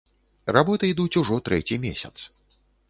Работы ідуць ужо трэці месяц.